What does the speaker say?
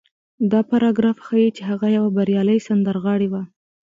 دا پاراګراف ښيي چې هغه يوه بريالۍ سندرغاړې وه.